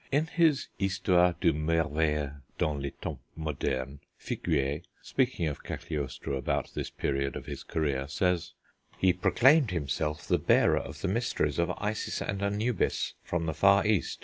In his Histoire du Merveilleux dans les Temps modernes, Figuier, speaking of Cagliostro about this period of his career, says: "He proclaimed himself the bearer of the mysteries of Isis and Anubis from the far East....